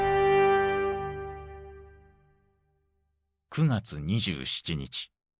９月２７日。